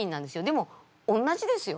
でも同じですよ。